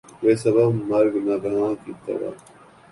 بے سبب مرگ ناگہاں کی طرح